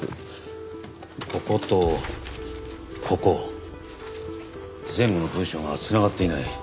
こことここ前後の文章が繋がっていない。